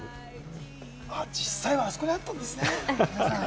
実際はあそこにあったんですね、いいな。